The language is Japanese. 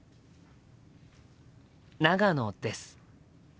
長野です。